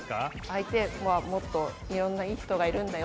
相手はもっといろんないい人がいるんだよって。